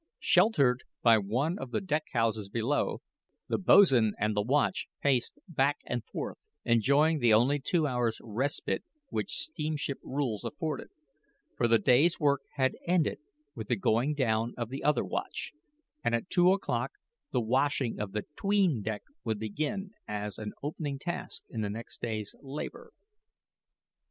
Sheltered by one of the deck houses below, the boatswain and the watch paced back and forth, enjoying the only two hours respite which steamship rules afforded, for the day's work had ended with the going down of the other watch, and at two o'clock the washing of the 'tween deck would begin, as an opening task in the next day's labor.